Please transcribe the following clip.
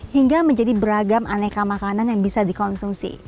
hingga menjadi beragam aneka makanan yang bisa dikonsumsi